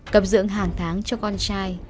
cập dưỡng hàng tháng cho con trai